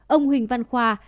ông huỳnh văn khoa